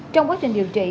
trong quá trình điều trị